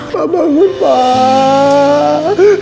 pak bangun pak